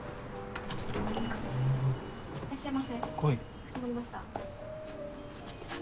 かしこまりました。